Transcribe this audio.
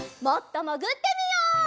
もっともぐってみよう！